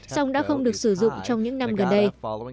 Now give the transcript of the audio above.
song đã không được sử dụng trong những năm gần đây